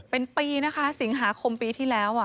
เป็นปีนะคะสิงหาคมปีที่แล้ว